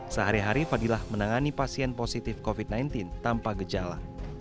sehari hari fadilah menangani pasien positif covid sembilan belas tanpa gejala